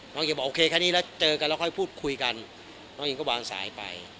ยังบอกโอเคแค่นี้แล้วเจอกันแล้วค่อยพูดคุยกันน้องเองก็วางสายไป